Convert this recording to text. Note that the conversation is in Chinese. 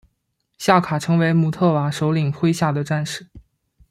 夏卡成为姆特瓦首领麾下的战士。